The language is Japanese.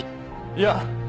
いや。